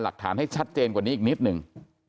หลักฐานให้ชัดเจนกว่านี้อีกนิดหนึ่ง